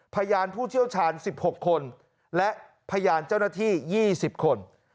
พยานผู้เชี่ยวชาญ๑๖คนและพยานเจ้าหน้าที่๒๐คน